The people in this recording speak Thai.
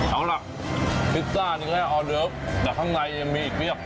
เอาล่ะพิซซ่าหนึ่งนะออเดิร์ฟแต่ข้างในยังมีอีกเพียบ